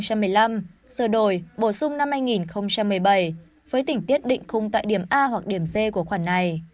sửa đổi bổ sung năm hai nghìn một mươi bảy với tình tiết định không tại điểm a hoặc điểm c của khoảng này